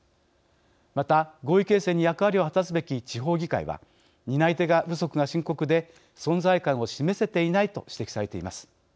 また合意形成に役割を果たすべき地方自治体は担い手不足が深刻で存在感を示せていないと指摘されています。